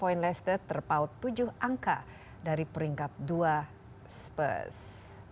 poin leicester terpaut tujuh angka dari peringkat dua spurs